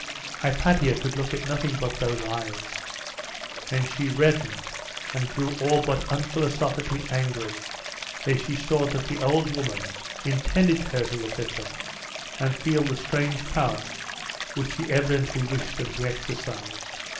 Hypatia could look at nothing but those eyes; and she reddened, and grew all but unphilosophically angry, as she saw that the old woman intended her to look at them, and feel the strange power which she evidently wished them to exercise.